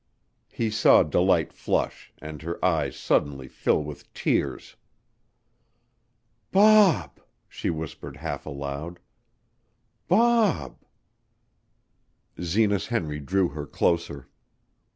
He saw Delight flush, and her eyes suddenly fill with tears. "Bob!" she whispered half aloud. "Bob!" Zenas Henry drew her closer.